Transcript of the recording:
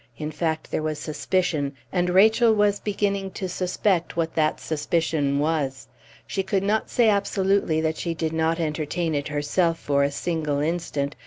In fact, there was suspicion, and Rachel was beginning to suspect what that suspicion was. She could not say absolutely that she did not entertain it herself for a single instant.